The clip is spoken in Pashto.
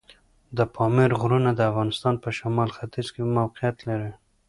د پامیر غرونه د افغانستان په شمال ختیځ کې موقعیت لري.